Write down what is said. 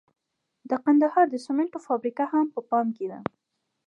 د کندهار د سمنټو فابریکه هم په پام کې ده.